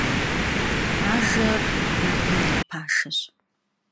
Ajjer melım ya paşşeş.